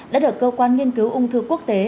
đã được cơ quan nghiên cứu ung thư quốc tế